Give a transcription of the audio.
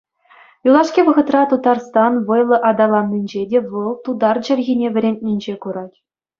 Юлашки вӑхӑтра Тутарстан вӑйлӑ аталаннинче те вӑл тутар чӗлхине вӗрентнинче курать.